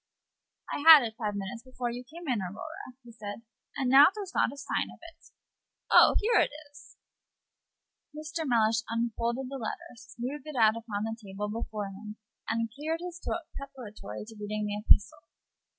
"I had it five minutes before you came in, Aurora," he said, "and now there's not a sign of it oh, here it is!" Mr. Mellish unfolded the letter, and, smoothing it out upon the table before him, cleared his throat preparatory to reading the epistle.